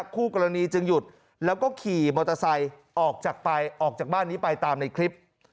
คู่กรณีจึงหยุดแล้วก็ขี่มอเตอร์ไซค์ออกจากไปออกจากบ้านนี้ไปตามในคลิป